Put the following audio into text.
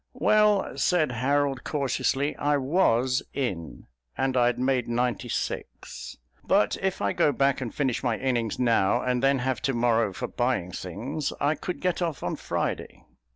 "Well," said Harold cautiously, "I was in, and I'd made ninety six. But if I go back and finish my innings now, and then have to morrow for buying things, I could get off on Friday."